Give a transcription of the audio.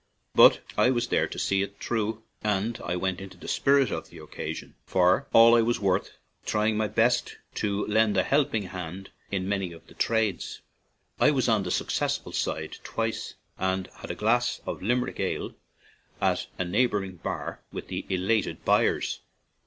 But I was there to see it through, and I went into the spirit of the occasion for "all I was worth/' trying my best to lend a helping hand in many of the trades. I was on the successful side twice, and had a glass of Limerick ale at a neigh boring bar with the elated buyers.